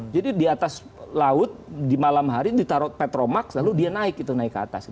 jadi di atas laut di malam hari ditaruh petromax lalu dia naik gitu naik ke atas